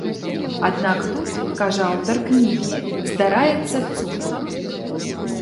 Аднак тут, кажа аўтар кнігі, здараецца цуд.